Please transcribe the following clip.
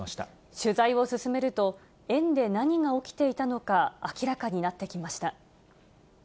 取材を進めると、園で何が起きていたのか、明らかになってきました。